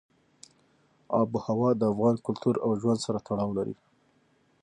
آب وهوا د افغان کلتور او ژوند سره تړاو لري.